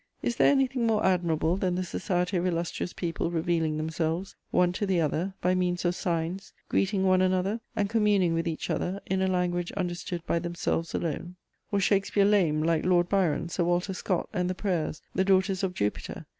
Is there anything more admirable than the society of illustrious people revealing themselves, one to the other, by means of signs, greeting one another and communing with each other in a language understood by themselves alone? [Sidenote: Shakespeare.] Was Shakespeare lame, like Lord Byron, Sir Walter Scott, and the Prayers, the daughters of Jupiter?